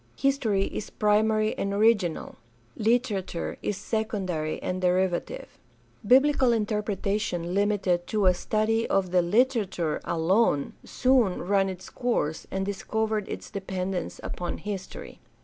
History is primary and original; literature is secondary and derivative. Biblical interpretation limited to a study of the Hterature alone soon ran its course and discovered its dependence upon history.